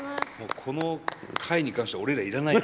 この回に関しては俺ら要らないな。